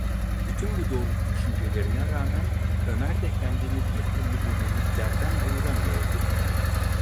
Bütün bu doğru düşüncelerine rağmen Ömer de kendini bir türlü bu muhitlerden ayıramıyordu.